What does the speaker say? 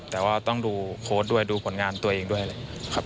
แต่ว่าต้องดูโค้ดด้วยดูผลงานตัวเองด้วยเลย